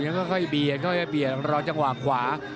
ค่อยเบียดค่อยเบียดรอจังหวะขวา